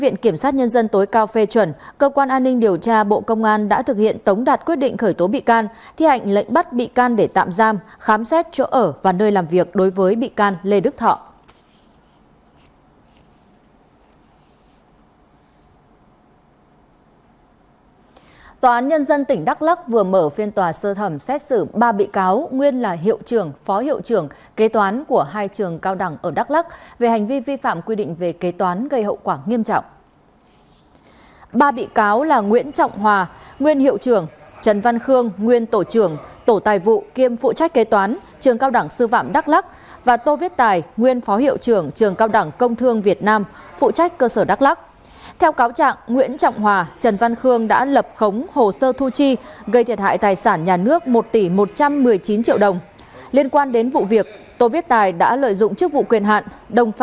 ngày hôm qua cơ quan an ninh điều tra bộ công an đã ra quyết định khởi tố bị can lệnh bắt bị can để tạm giam lệnh khám xét chỗ ở đối với ông lê đức thọ nguyên bí thư tỉnh ủy bến tre để điều tra về tội lợi dụng chức vụ quyền hạn gây ảnh hưởng đối với người khác để điều tra về tội lợi dụng chức vụ quyền hạn gây ảnh hưởng đối với người khác để điều tra về tội lợi dụng chức vụ quyền hạn